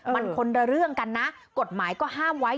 มันคนละเรื่องกันนะกฎหมายก็ห้ามไว้